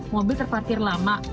mobil terparkir lama